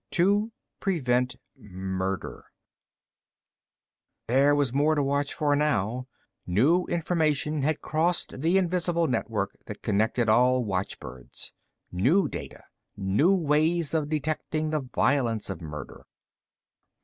To prevent murder ... There was more to watch for now. New information had crossed the invisible network that connected all watchbirds. New data, new ways of detecting the violence of murder.